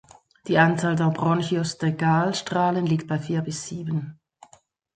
Die Anzahl der Branchiostegalstrahlen liegt bei vier bis sieben.